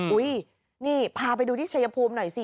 อุ้ยนี่พาไปดูที่ชัยภูมิหน่อยสิ